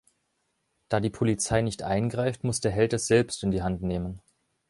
Da die Polizei nicht eingreift, muss der Held es selbst in die Hand nehmen.